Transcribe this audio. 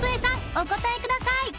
お答えください